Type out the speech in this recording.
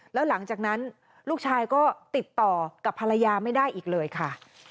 แล้วหลังจากนั้นลูกชายก็ติดต่อกับภรรยาไม่ได้อีกเลยค่ะ